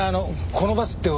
このバスってほら。